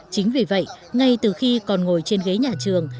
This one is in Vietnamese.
chính vì vậy ngay từ khi còn ngồi trên ghế nhà trường